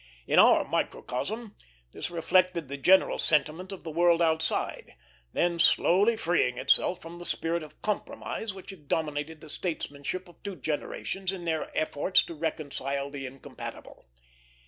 In our microcosm, this reflected the general sentiment of the world outside, then slowly freeing itself from the spirit of compromise which had dominated the statesmanship of two generations in their efforts to reconcile the incompatible.